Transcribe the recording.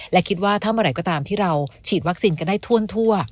และคิดว่าถ้าเมื่อไหร่ก็ตามที่เราฉีดวัคซีนกันได้ทั่ว